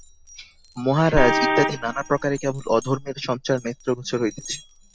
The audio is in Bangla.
মহারাজ ইত্যাদি নানা প্রকারে কেবল অধর্মের সঞ্চার নেত্রগোচর হইতেছে।